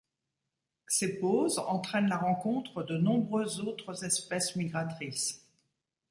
Ces pauses entraînent la rencontre de nombreuses autres espèces migratrices.